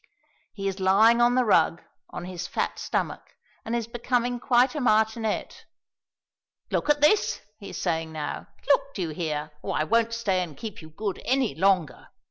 He is lying on the rug, on his fat stomach, and is becoming quite a martinet. "Look at this!" he is saying now. "Look! do you hear, or I won't stay and keep you good any longer.